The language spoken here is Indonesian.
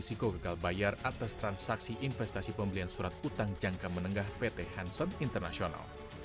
terhadap risiko gagal bayar atas transaksi investasi pembelian surat utang jangka menengah pt hanson international